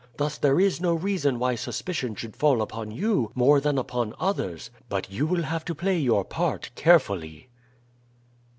Thus there is no reason why suspicion should fall upon you more than upon others, but you will have to play your part carefully."